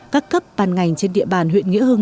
các cấp ban ngành trên địa bàn huyện nghĩa hưng